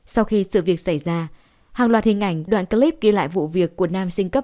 sau khi sự việc xảy ra hàng loạt hình ảnh đoạn clip ghi lại vụ việc của nam sinh cấp